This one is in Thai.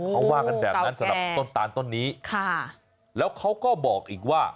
เขาว่ากันแบบนั้นสำหรับต้นตาลต้นนี้ค่ะแล้วเขาก็บอกอีกว่า